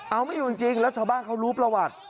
เอาไม่อยู่จริงแล้วชาวบ้านเขารู้ประวัติ